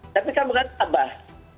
tapi kan bukan ka'bah